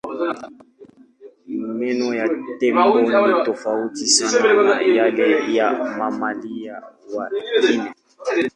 Meno ya tembo ni tofauti sana na yale ya mamalia wengine.